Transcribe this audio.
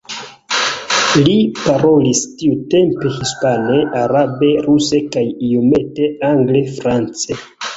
Li parolis tiutempe hispane, arabe, ruse kaj iomete angle, france.